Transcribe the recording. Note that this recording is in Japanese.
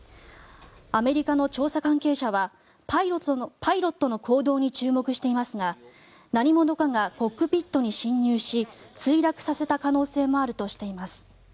アメリカの調査関係者はパイロットの行動に注目していますが何者かがコックピットに侵入し墜落させた可能性もあるとしています。